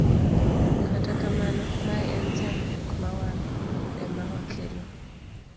Kata kamano, mae en chandruok ma wan ema wakelo.